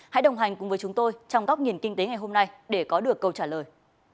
hãy đồng hành cùng với chúng tôi trong góc nhìn kinh tế ngày hôm nay để có được câu trả lời